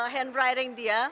penulisan tangan dia